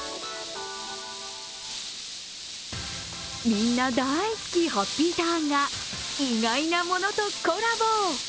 みんな大好き、ハッピーターンが意外なものとコラボ。